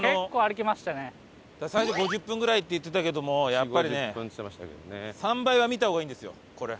最初５０分ぐらいって言ってたけどもやっぱりね３倍は見た方がいいんですよこれ。